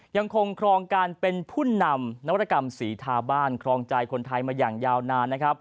ยังคงครองการเป็นผู้นำนวัตกรรมศรีทาบ้านครองใจคนไทยมาอย่างยาวนานนะครับ